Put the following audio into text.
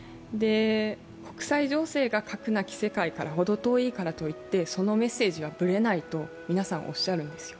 国際情勢が核なき世界とほど遠いからといってそのメッセージはブレないと皆さん、おっしゃるんですよ。